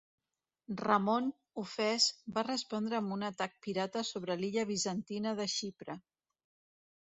Ramon, ofès, va respondre amb un atac pirata sobre l'illa bizantina de Xipre.